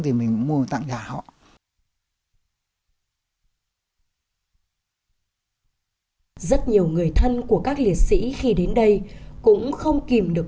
thì mình mua tặng giả họ rất nhiều người thân của các liệt sĩ khi đến đây cũng không kìm được